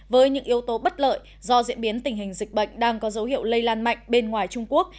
với những yếu tố bất lợi do diễn biến tình hình dịch bệnh đang có dấu hiệu lây lan mạnh bên ngoài trung quốc